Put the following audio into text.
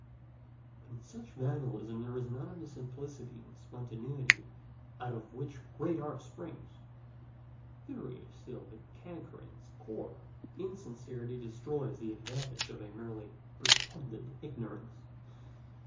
But in such vandalism there is none of the simplicity and spontaneity out of which great art springs: theory is still the canker in its core, and insincerity destroys the advantages of a merely pretended ignorance.